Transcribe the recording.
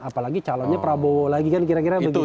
apalagi calonnya prabowo lagi kan kira kira begitu